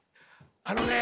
あのねえ。